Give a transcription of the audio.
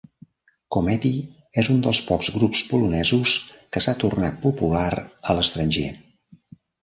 Komety és un dels pocs grups polonesos que s'ha tornat popular a l'estranger.